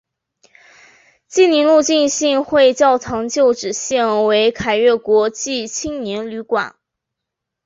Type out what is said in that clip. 济宁路浸信会教堂旧址现为凯越国际青年旅馆。